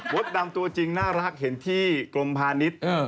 มุดดำตัวจริงน่ารักเป็นเวทายังเห็นที่กรมพาณิชย์